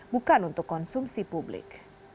bukan untuk konsumsi publik